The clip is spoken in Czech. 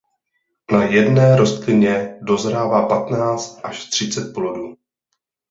Na jedné rostlině dozrává patnáct až třicet plodů.